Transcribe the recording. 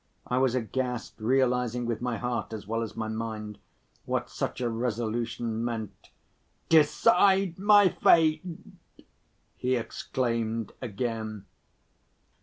I was aghast, realizing with my heart as well as my mind what such a resolution meant. "Decide my fate!" he exclaimed again.